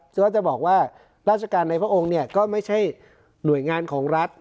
ซึ่งก็จะบอกว่าราชการในพระองค์เนี่ยก็ไม่ใช่หน่วยงานของรัฐ